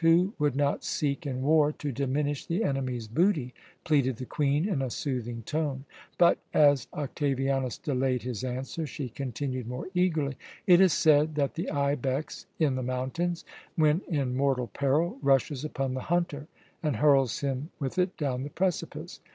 Who would not seek in war to diminish the enemy's booty?" pleaded the Queen in a soothing tone. But as Octavianus delayed his answer, she continued more eagerly: "It is said that the ibex in the mountains, when in mortal peril, rushes upon the hunter and hurls him with it down the precipice.